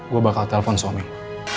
gue bakal telpon suami lo